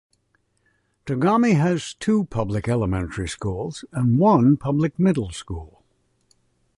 Tagami has two public elementary schools and one public middle school.